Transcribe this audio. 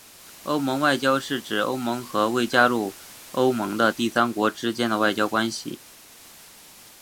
欧盟外交是指欧盟和未加入欧盟的第三国之间的外交关系。